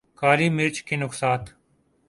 کالی مرچ کے نقصا